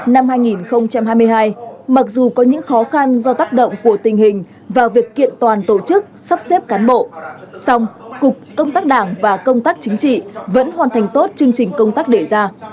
năm hai nghìn hai mươi hai mặc dù có những khó khăn do tác động của tình hình và việc kiện toàn tổ chức sắp xếp cán bộ song cục công tác đảng và công tác chính trị vẫn hoàn thành tốt chương trình công tác đề ra